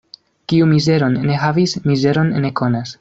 Kiu mizeron ne havis, mizeron ne konas.